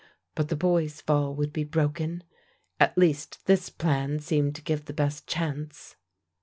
But the boy's fall would be broken: at least this plan seemed to give the best chance.